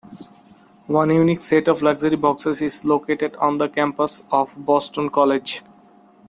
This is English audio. One unique set of luxury boxes is located on the campus of Boston College.